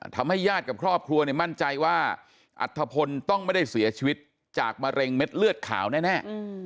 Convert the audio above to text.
ญาติกับครอบครัวมั่นใจว่าอัธพลต้องไม่ได้เสียชีวิตจากมะเร็งเม็ดเลือดขาวแน่